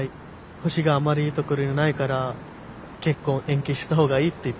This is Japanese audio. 星があんまりいいところにないから結婚延期した方がいいって言ってる。